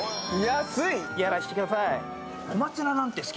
やらせてください。